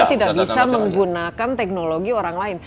kita tidak bisa menggunakan teknologi orang lain